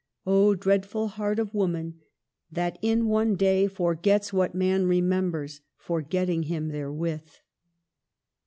" Oh, dreadful heart of woman, That in one day forgets what man remembers, Forgetting him therewith."